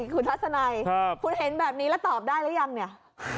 คุณเห็นแบบนี้และตอบได้หรือยังเนี่ย